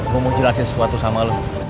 gue mau jelasin sesuatu sama lo